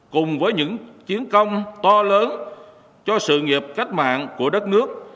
cùng với những chiến công to lớn cho sự nghiệp cách mạng của đất nước